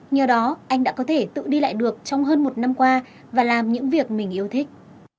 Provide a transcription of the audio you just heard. nhờ đó anh đã có thể tự đi lại được trong hơn một năm qua và làm những việc mình yêu thích